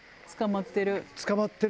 捕まってる。